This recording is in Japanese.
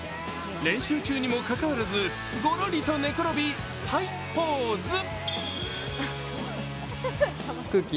練習中にもかかわらずごろりと寝転び、はいポーズ。